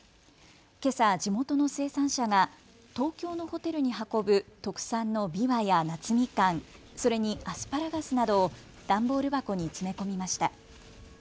けさ地元の生産者が東京のホテルに運ぶ特産のびわや夏みかん、それにアスパラガスなどを段ボール箱に詰め込みました。